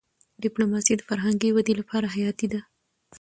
ډيپلوماسي د فرهنګي ودي لپاره حياتي ده.